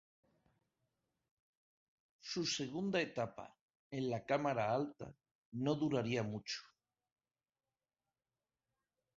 Su segunda etapa en la Cámara Alta no duraría mucho.